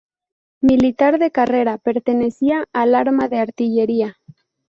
Militar de carrera, pertenecía al arma de artillería.